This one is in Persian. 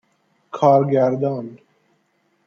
کارگردان